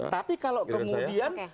tapi kalau kemudian